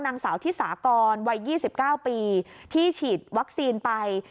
นางสาวที่สากรวัย๒๙ปีที่ฉีดวัคซีนไป